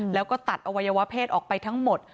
แล้วก็ตัดอวัยวะเพศออกไปทั้งหมด